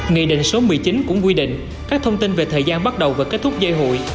nghị định số một mươi chín cũng quy định các thông tin về thời gian bắt đầu và kết thúc dây hụi